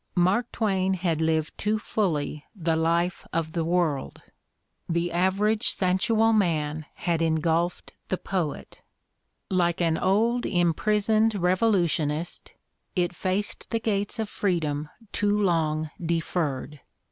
Mark Twain had lived too fully the life of the world; the average sensual man had 250 The Ordeal of Mark Twain engulfed the poet. Like an old imprisoned revolutionist it faced the gates of a freedom too long deferred.